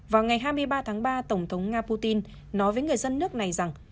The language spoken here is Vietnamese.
vào ngày hai mươi ba tháng ba tổng thống nga putin nói với người dân nước này rằng